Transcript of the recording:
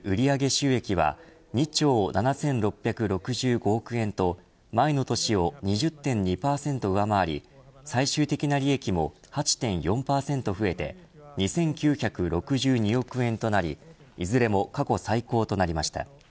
収益は２兆７６６５億円と前の年を２０．２％上回り最終的な利益も８．４％増えて２９６２億円となりいずれも過去最高となりました。